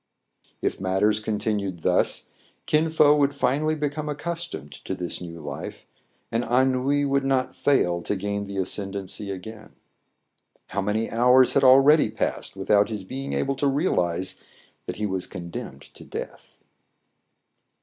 If matters continued thus, Kin Fo would finally become accustomed to this new life, and ennui would not fail to gain the ascendency again. How many hours had already passed without his being able to realize that he was condemned to death